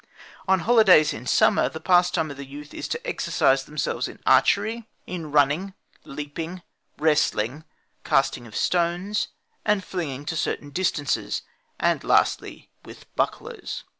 On holidays, in summer, the pastime of the youth is to exercise themselves in archery, in running, leaping, wrestling, casting of stones, and flinging to certain distances, and, lastly, with bucklers.